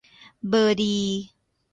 เบอร์ดี